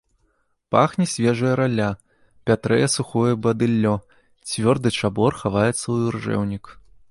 Пахне свежая ралля, пятрэе сухое бадыллё, цвёрды чабор хаваецца ў іржэўнік.